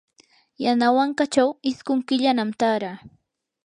yanawankachaw isqun killanam taaraa.